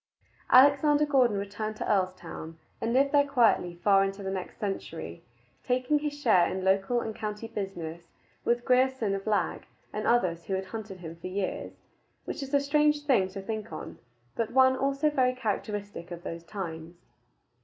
Alexander Gordon returned to Earlstoun, and lived there quietly far into the next century, taking his share in local and county business with Grierson of Lag and others who had hunted him for years which is a strange thing to think on, but one also very characteristic of those times.